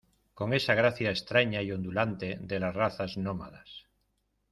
con esa gracia extraña y ondulante de las razas nómadas